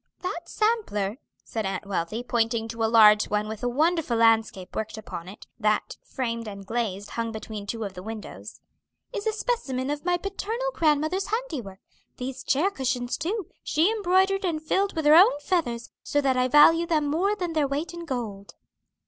"That sampler," said Aunt Wealthy, pointing to a large one with a wonderful landscape worked upon it, that, framed and glazed, hung between two of the windows, "is a specimen of my paternal grandmother's handiwork; these chair cushions, too, she embroidered and filled with her own feathers, so that I value them more than their weight in gold."